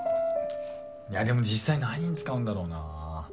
でも実際何に使うんだろうな？